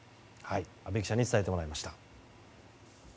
阿部記者に伝えてもらいました。